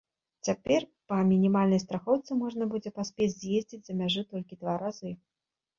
Цяпер па мінімальнай страхоўцы можна будзе паспець з'ездзіць за мяжу толькі два разы.